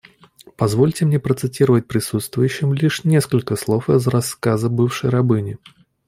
Позвольте мне процитировать присутствующим лишь несколько слов из рассказа бывшей рабыни.